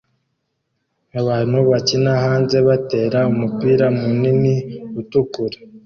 Abantu bakina hanze batera umupira munini utukura